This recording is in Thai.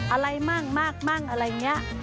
อะไรมั่งมากมั่งอะไรอย่างนี้